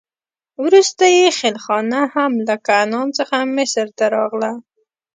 وروسته یې خېلخانه هم له کنعان څخه مصر ته راغله.